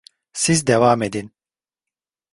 Siz devam edin.